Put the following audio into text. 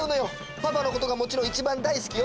パパのことがもちろんいちばん大好きよ。